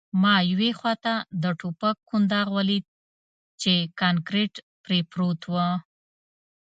ما یوې خواته د ټوپک کنداغ ولید چې کانکریټ پرې پروت و